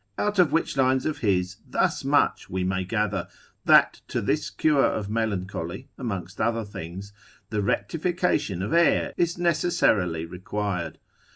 Out of which lines of his, thus much we may gather, that to this cure of melancholy, amongst other things, the rectification of air is necessarily required.